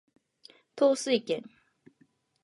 統帥権